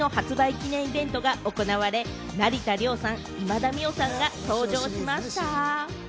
記念イベントが行われ、成田凌さん、今田美桜さんが登場しました。